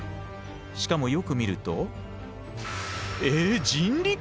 しかもよく見るとえ人力！？